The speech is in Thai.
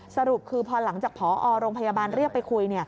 สรุปคือพอหลังจากผอโรงพยาบาลเรียกไปคุย